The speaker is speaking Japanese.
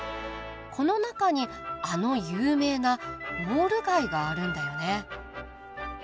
この中にあの有名なウォール街があるんだよね。